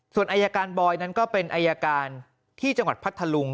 ส่วนอายการบอยนั้นก็เป็นอายการที่จังหวัดพัทธลุง